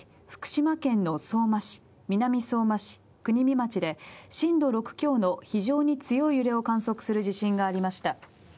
福島県の相馬市、南相馬市、国見町で震度６強の非常に強い揺れを観測する地震がありました。